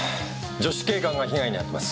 女子警官が被害に遭ってます。